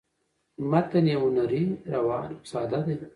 متن یې هنري ،روان او ساده دی